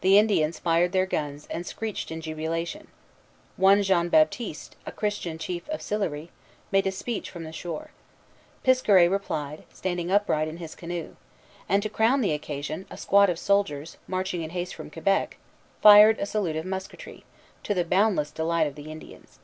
The Indians fired their guns, and screeched in jubilation; one Jean Baptiste, a Christian chief of Sillery, made a speech from the shore; Piskaret replied, standing upright in his canoe; and, to crown the occasion, a squad of soldiers, marching in haste from Quebec, fired a salute of musketry, to the boundless delight of the Indians.